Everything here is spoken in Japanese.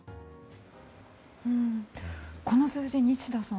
この数字、西田さん